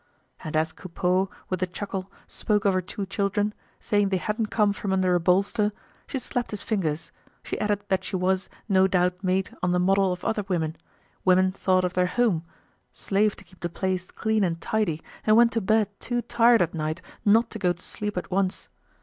And as Coupeau, with a chuckle, spoke of her two children, saying they hadn't come from under a bolster, she slapped his fingers; she added that she was, no doubt made on the model of other women; women thought of their home, slaved to keep the place clean and tidy, and went to bed too tired at night not to go to sleep at once.